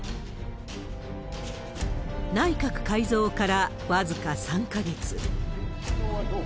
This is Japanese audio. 内閣改造から僅か３か月。